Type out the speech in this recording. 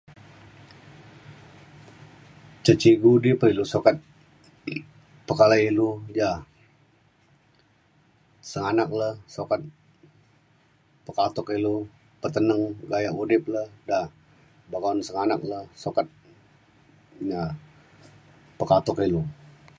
ca cikgu di pa ilu sukat pekalai ilu ja senganak le sukat pekatuk ilu peteneng gaya udip le da boka un senganak le sukat na pekatuk ilu